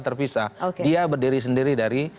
terpisah dia berdiri sendiri dari